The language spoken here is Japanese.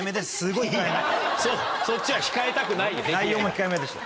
そっちは控えたくないよ。